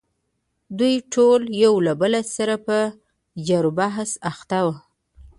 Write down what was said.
دوی ټول یو له بل سره په جر و بحث اخته وو.